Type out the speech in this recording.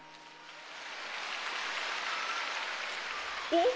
おっ？